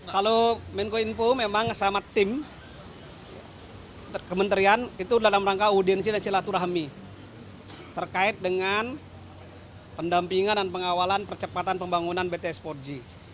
kalau menko info memang sama tim kementerian itu dalam rangka audiensi dan silaturahmi terkait dengan pendampingan dan pengawalan percepatan pembangunan bts empat g